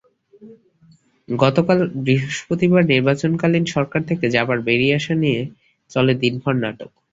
গতকাল বৃহস্পতিবার নির্বাচনকালীন সরকার থেকে জাপার বেরিয়ে আসা নিয়ে চলে দিনভর নাটক।